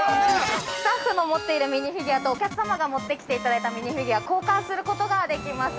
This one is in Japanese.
スタッフの持っているミニフィギュアとお客様が持ってきていただいたミニフィギュア交換することができます。